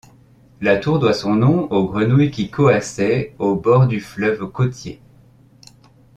La tour doit son nom aux grenouilles qui coassaient aux bord du fleuve côtier.